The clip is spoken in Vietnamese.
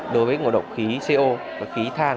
đối với ngộ độc khí co và khí than